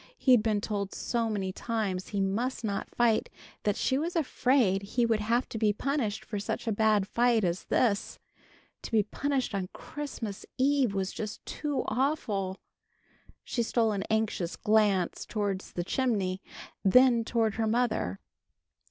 He'd been told so many times he must not fight that she was afraid he would have to be punished for such a bad fight as this. To be punished on Christmas eve was just too awful! She stole an anxious glance towards the chimney, then toward her mother.